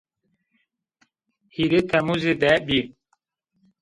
Hîrê temmuze de bî